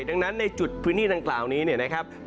ดังนั้นในจุดพื้นที่ดังกล่าวนี้เนี่ยนะครับ